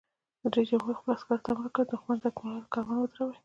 رئیس جمهور خپلو عسکرو ته امر وکړ؛ د دښمن د اکمالاتو کاروان ودروئ!